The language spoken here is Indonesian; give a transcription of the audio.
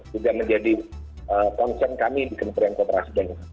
juga menjadi konsen kami di kementerian kota raya